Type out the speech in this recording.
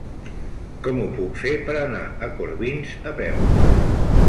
Com ho puc fer per anar a Corbins a peu?